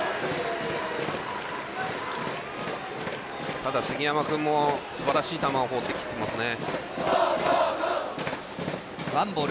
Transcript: ただ、杉山君もすばらしい球を放ってきていますね。